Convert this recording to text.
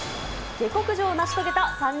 下克上を成し遂げた３人。